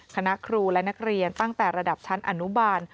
คณะครูและนักเรียนตั้งแต่ระดับชั้นอนุบาล